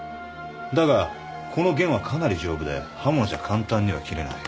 だがこの弦はかなり丈夫で刃物じゃ簡単には切れない。